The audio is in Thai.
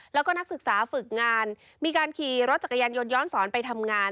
แล้วก็นักศึกษาฝึกงานมีการขี่รถจักรยานยนต์ย้อนสอนไปทำงาน